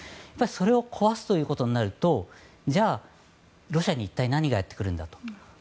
それを壊すということになるとじゃあ、ロシアに一体何をやってくれるんだと。